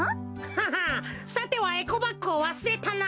ははさてはエコバッグをわすれたな？